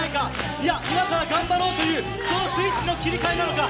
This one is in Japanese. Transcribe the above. いや、今から頑張ろうというスイッチの切り替えなのか。